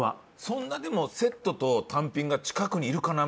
そんなでもセットと単品が近くにいるかな？